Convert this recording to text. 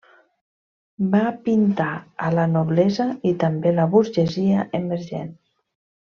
Va pintar a la noblesa, i també la burgesia emergent.